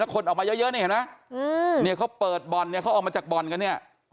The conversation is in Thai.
แล้วคนออกมาเยอะนะเห็นป่ะเห็นไหมเขาเปิดบอลเขาออกมาจากบอลกัน